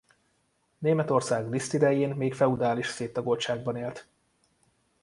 Németország List idején még feudális széttagoltságban élt.